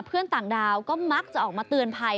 เพื่อนต่างดาวก็มักจะออกมาเตือนภัย